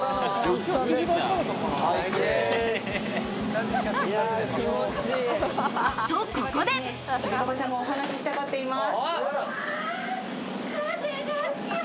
ちびカバちゃんもお話ししたがっています。